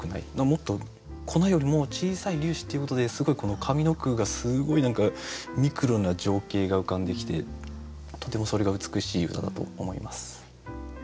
もっと粉よりも小さい「粒子」っていうことですごいこの上の句がすごい何かミクロな情景が浮かんできてとてもそれが美しい歌だと思います。